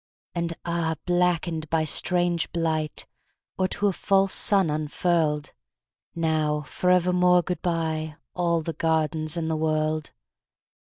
And, ah, blackened by strange blight, Or to a false sun unfurled, Now forevermore goodbye, All the gardens in the world!